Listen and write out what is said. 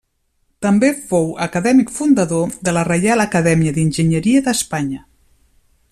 També fou acadèmic fundador de la Reial Acadèmia d'Enginyeria d'Espanya.